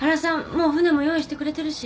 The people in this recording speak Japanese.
もう船も用意してくれてるし。